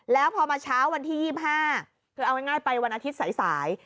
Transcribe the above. แล้วพอมาเช้าวันที่๒๕คือเอาง่ายไปวันอาทิตย์สาย